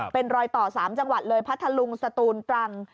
เป็นรอยต่อ๓จังหวัดเลยพัทธลุงสตูนตรัง